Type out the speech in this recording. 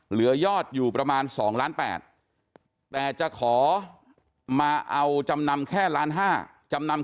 เหลือยอดอยู่ประมาณ๒ล้าน๘แต่จะขอมาเอาจำนำแค่ล้านห้าจำนำ